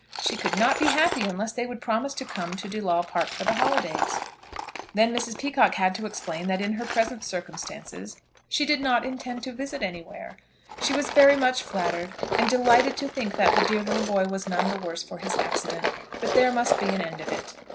She could not be happy unless they would promise to come to De Lawle Park for the holidays. Then Mrs. Peacocke had to explain that in her present circumstances she did not intend to visit anywhere. She was very much flattered, and delighted to think that the dear little boy was none the worse for his accident; but there must be an end of it.